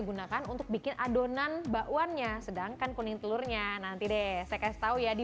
gunakan untuk bikin adonan bakwannya sedangkan kuning telurnya nanti deh saya kasih tahu ya di